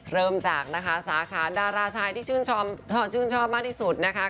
เริ่มจากนะคะสาขาดาราชายที่ชื่นชอบมากที่สุดนะคะ